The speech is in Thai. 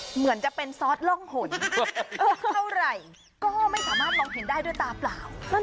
เหมือนจะเป็นซอสร่องหนเท่าไหร่ก็ไม่สามารถมองเห็นได้ด้วยตาเปล่า